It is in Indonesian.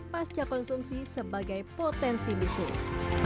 pasca konsumsi sebagai potensi bisnis